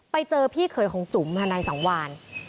ไปเจอพี่เขยของจุ๋มค่ะนายสังวาน